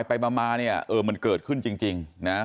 ไปมาเนี่ยเออมันเกิดขึ้นจริงนะ